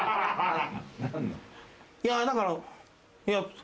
いや。